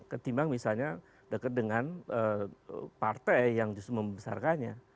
ketimbang misalnya dekat dengan partai yang justru membesarkannya